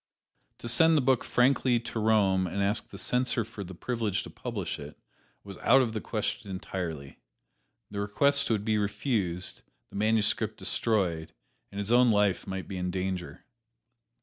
To send the book frankly to Rome and ask the Censor for the privilege to publish it, was out of the question entirely the request would be refused, the manuscript destroyed, and his own life might be in danger.